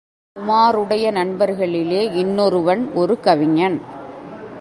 உமாருடைய நண்பர்களிலே இன்னொருவன் ஒரு கவிஞன்.